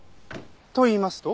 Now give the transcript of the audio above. といいますと？